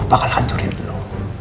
gua bakal hancurin lu